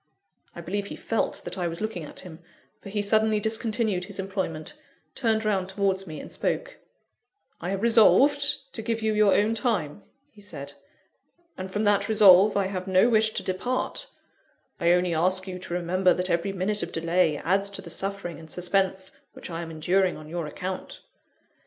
I believe he felt that I was looking at him; for he suddenly discontinued his employment, turned round towards me, and spoke "I have resolved to give you your own time," he said, "and from that resolve I have no wish to depart I only ask you to remember that every minute of delay adds to the suffering and suspense which I am enduring on your account."